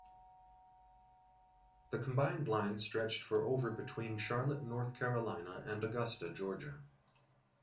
The combined line stretched for over between Charlotte, North Carolina, and Augusta, Georgia.